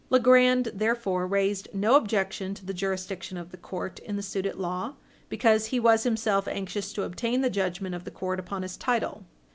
Legrand, therefore, raised no objection to the jurisdiction of the court in the suit at law, because he was himself anxious to obtain the judgment of the court upon his title.